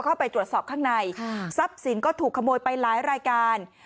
เข้าไปตรวจสอบข้างในทรัพย์สินก็ถูกขโมยไปหลายรายการ